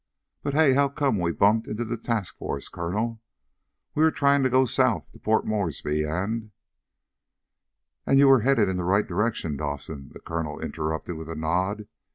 But, hey! How come we bumped into the task force, Colonel? We were trying to get south to Port Moresby, and " "And you were headed in the right direction, Dawson," the colonel interrupted with a nod.